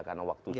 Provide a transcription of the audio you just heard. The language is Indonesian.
karena waktu sudah